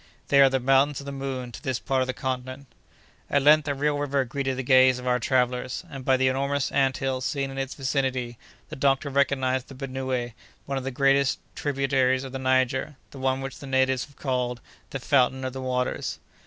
They are the Mountains of the Moon to this part of the continent. At length a real river greeted the gaze of our travellers, and, by the enormous ant hills seen in its vicinity, the doctor recognized the Benoué, one of the great tributaries of the Niger, the one which the natives have called "The Fountain of the Waters."